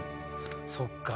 そっか。